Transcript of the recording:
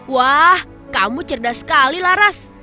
wah kamu cerdas sekali laras